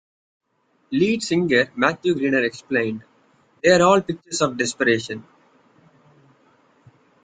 Lead singer Matthew Greener explained, They are all pictures of desperation.